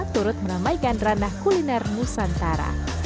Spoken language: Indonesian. turut menamaikan ranah kuliner nusantara